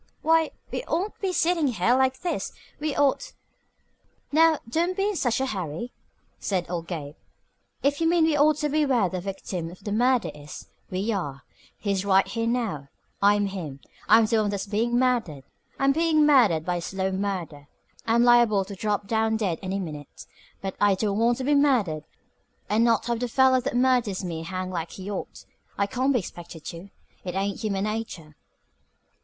"Why, we oughtn't to be sitting here like this. We ought " "Now, don't be in such a hurry," said old Gabe. "If you mean we ought to be where the victim of the murder is, we are. He's right here now. I'm him. I'm the one that's being murdered. I'm being murdered by slow murder. I'm liable to drop down dead any minute. But I don't want to be murdered and not have the feller that murders me hang like he ought. I can't be expected to. It ain't human nature."